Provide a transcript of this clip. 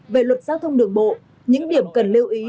về luật giao thông đường bộ những điểm cần lưu ý